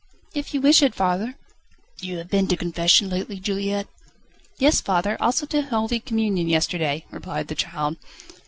"If you wish it, father." "You have been to confession lately, Juliette?" "Yes, father; also to holy communion, yesterday," replied the child.